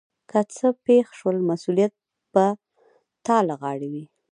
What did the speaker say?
که څه پیښ شول مسؤلیت به تا له غاړې وي.